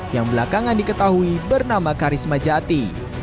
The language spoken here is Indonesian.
yang belakangan diketahui bernama karisma jati